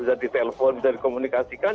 bisa di telepon bisa dikomunikasikan